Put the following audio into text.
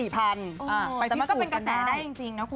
แต่มันก็เป็นกระแสได้จริงนะคุณ